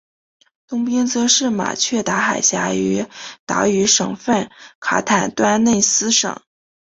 东边则是马却达海峡与岛屿省份卡坦端内斯省。